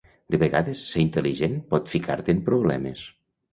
De vegades, ser intel·ligent pot ficar-te en problemes.